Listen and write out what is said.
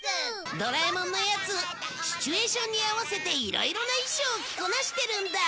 ドラえもんのヤツシチュエーションに合わせていろいろな衣装を着こなしてるんだ